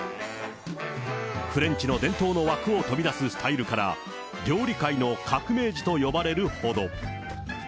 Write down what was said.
フレンチの伝統の枠を飛び出すスタイルから、料理界の革命児と呼ばれるほど。